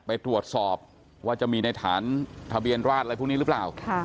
ไปตรวจสอบว่าจะมีในฐานทะเบียนราชอะไรพวกนี้หรือเปล่า